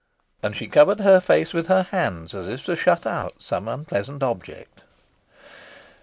And she covered her face with her hands, as if to shut out some unpleasant object.